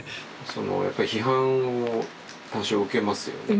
そのやっぱり批判を多少受けますよね。